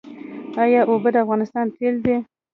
آیا اوبه د افغانستان تیل دي؟